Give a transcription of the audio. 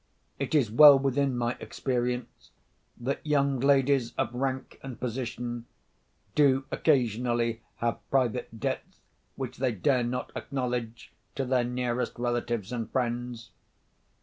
It is well within my experience, that young ladies of rank and position do occasionally have private debts which they dare not acknowledge to their nearest relatives and friends.